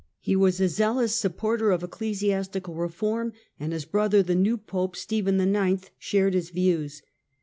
He was a zealous supporter of ecclesiastical reform, and his brother, the new Pope, Stephen IX., shared his views.